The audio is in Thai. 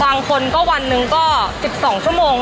บางคนก็วันหนึ่งก็๑๒ชั่วโมง